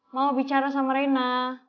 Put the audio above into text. mau bicara sama rena